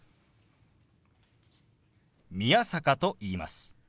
宮坂と言います。